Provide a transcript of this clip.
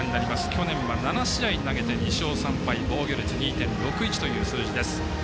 去年は７試合投げて２勝３敗防御率２．６１という数字です。